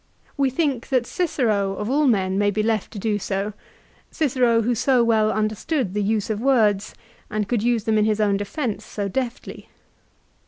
We think that Cicero of all men may be left to do so, Cicero who so well understood the use of words, and could use them in his own defence so deftly.